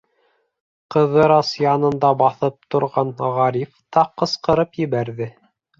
Ҡыҙырас янында баҫып торған Ғариф та ҡысҡырып ебәрҙе: